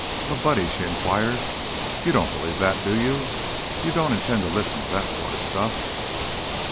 Of Buddy she inquired: "You don't believe that, do you? You don't intend to listen to that sort of stuff?"